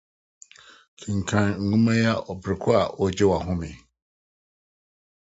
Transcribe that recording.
Kenkan nhoma yi bere a woregye w'ahome no.